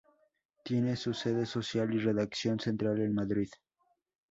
Tiene su sede social y redacción central en Madrid.